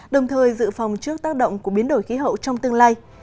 đồng thời dự phòng trước tác động của biến đổi khí hậu trong tương lai